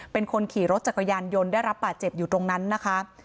เป็นคนขี่รถจักรยานยนต์ได้รับบาดเจ็บอยู่ตรงนั้นนะคะ